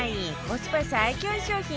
コスパ最強商品